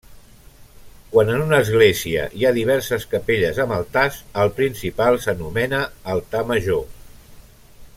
Quan en una església hi ha diverses capelles amb altars, el principal s'anomena altar major.